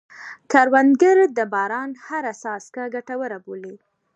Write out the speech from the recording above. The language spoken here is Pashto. کروندګر د باران هره څاڅکه ګټوره بولي